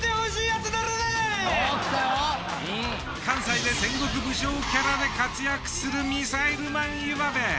関西で戦国武将キャラで活躍するミサイルマン岩部。